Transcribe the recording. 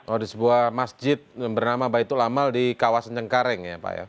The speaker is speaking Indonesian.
oh di sebuah masjid bernama baitul amal di kawasan cengkareng ya pak ya